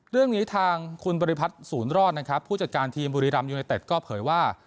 เรื่องนี้ทางคุณบริพัฒน์ศูนย์รอดนะครับผู้จัดการทีมบุรีรัมยูไนเต็ดก็เผยว่า